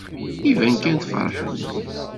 Iban kan tfeṛḥemt.